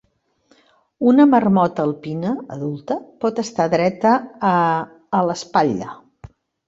Una marmota alpina adulta pot estar dreta a (...) a l'espatlla.